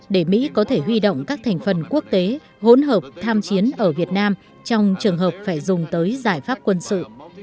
để mỹ có thể huy động các thành phần quốc tế hỗn hợp tham chiến ở việt nam trong trường hợp phải dùng tới giải pháp quân sự